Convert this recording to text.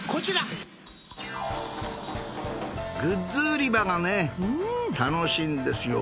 グッズ売り場がね楽しいんですよ。